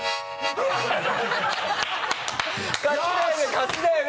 勝ちだよね？